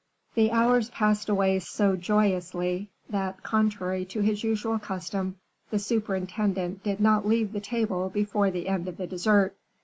The hours passed away so joyously, that, contrary to his usual custom, the superintendent did not leave the table before the end of the dessert.